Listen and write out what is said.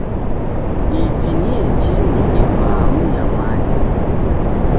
Iti ni yecheni ivaa mnyamanyi.